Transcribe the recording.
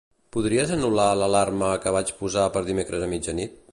Podries anul·lar l'alarma que vaig posar per dimecres a mitjanit?